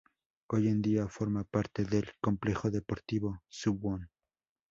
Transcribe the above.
Hoy en día forma parte del Complejo deportivo Suwon.